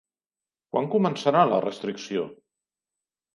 Quan començarà la restricció?